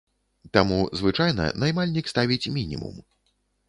Таму звычайна наймальнік ставіць мінімум.